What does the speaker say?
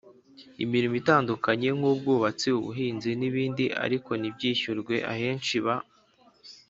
imirimo itandukanye nk ubwubatsi ubuhinzi n ibindi ariko ntibishyurwe Ahenshi ba